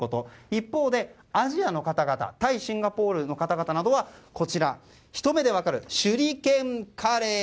一方でアジアの方々タイ、シンガポールの方々などはひと目で分かる手裏剣カレー。